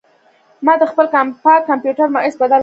ما د خپل کمپاک کمپیوټر ماؤس بدل کړ.